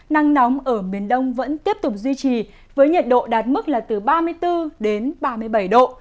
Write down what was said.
nắng nóng ở miền đông vẫn tiếp tục duy trì với nhiệt độ đạt mức là từ ba mươi bốn đến ba mươi bảy độ